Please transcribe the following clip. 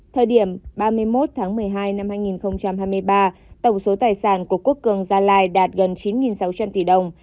thời điểm ba mươi một tháng một mươi hai năm hai nghìn hai mươi ba tổng số tài sản của quốc cường gia lai đạt gần chín sáu trăm linh tỷ đồng